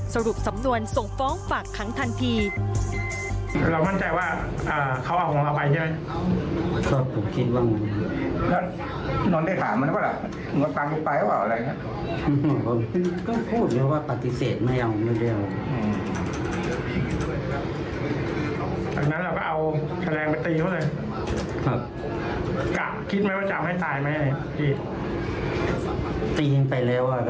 สรุปสำนวนส่งฟ้องฝากขังทันที